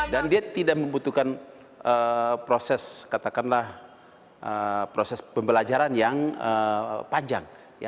dan dia tidak membutuhkan proses katakanlah proses pembelajaran yang panjang